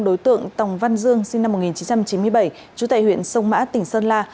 đối tượng tòng văn dương sinh năm một nghìn chín trăm chín mươi bảy trú tại huyện sông mã tỉnh sơn la